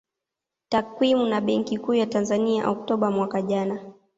Takwimu na Benki Kuu ya Tanzania Oktoba mwaka jana